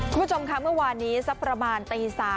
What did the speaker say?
คุณผู้ชมค่ะเมื่อวานนี้สักประมาณตี๓